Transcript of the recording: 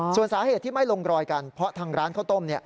ส่วนสาเหตุที่ไม่ลงรอยกันเพราะทางร้านข้าวต้ม